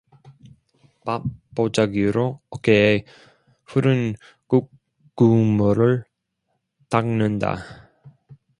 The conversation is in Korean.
밥 보자기로 어깨에 흐른 국국물을 닦는다.